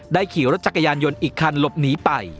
ขี่รถจักรยานยนต์อีกคันหลบหนีไป